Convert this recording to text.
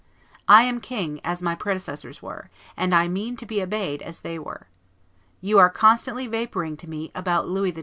I am king as my predecessors were; and I mean to be obeyed as they were. You are constantly vaporing to me about Louis XII.